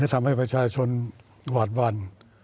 ทำให้ประชาชนหวาดหวั่น